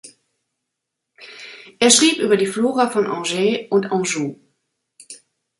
Er schrieb über die Flora von Angers und Anjou.